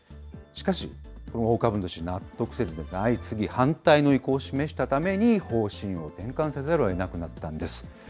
しかし、この大株主、納得せずが相次ぎ反対の意向を示したために、方針を転換せざるをえなくなったんです。